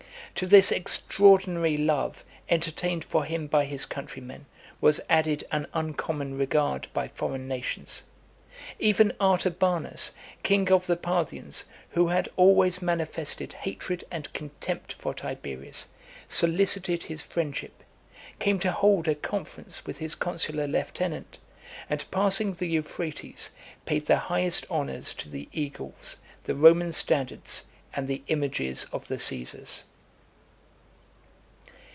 To this extraordinary love entertained for him by his countrymen, was added an uncommon regard by foreign nations. Even Artabanus, king of the Parthians, who had always manifested hatred and contempt for Tiberius, solicited his friendship; came to hold a conference with his consular lieutenant, and passing the Euphrates, paid the highest honours to the eagles, the Roman standards, and the images of the Caesars.